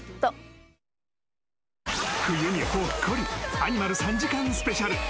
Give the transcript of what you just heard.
冬にほっこりアニマル３時間スペシャル。